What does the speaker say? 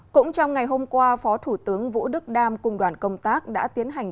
cũng trong ngày hôm qua phó thủ tướng vũ đức đam cùng đoàn công tác đã tiến hành